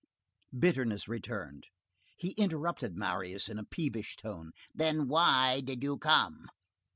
Bitterness returned. He interrupted Marius in a peevish tone:— "Then why did you come?"